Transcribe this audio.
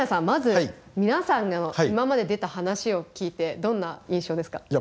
まず皆さんの今まで出た話を聞いてどんな印象ですか？